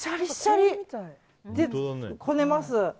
で、こねます。